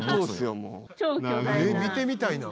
見てみたいな。